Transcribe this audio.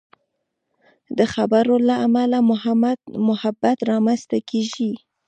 د خبرو له امله محبت رامنځته کېږي.